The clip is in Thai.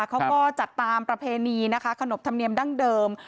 เขาก็จัดตามประเพณีนะคะขนบธรรมเนียมดั้งเดิม